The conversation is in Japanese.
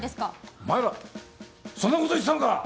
お前らそんなこと言ってたのか！